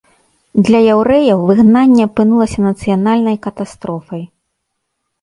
Для яўрэяў выгнанне апынулася нацыянальнай катастрофай.